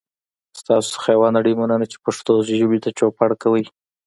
ستاسو څخه یوه نړۍ مننه چې پښتو ژبې ته چوپړ کوئ.